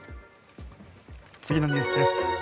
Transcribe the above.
次のニュースです。